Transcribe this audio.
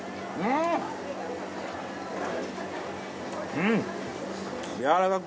うん。